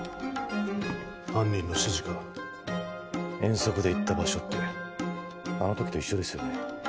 犯人の指示か遠足で行った場所ってあのときと一緒ですよね？